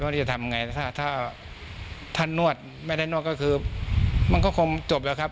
ที่จะทำไงถ้าถ้านวดไม่ได้นวดก็คือมันก็คงจบแล้วครับ